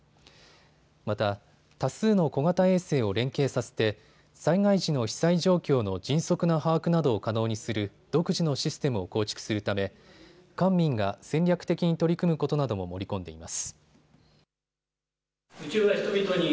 また、多数の小型衛星を連携させて災害時の被災状況の迅速な把握などを可能にする独自のシステムを構築するため官民が戦略的に取り組むことなども盛り込んでいます。